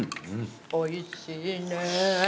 おいしいね！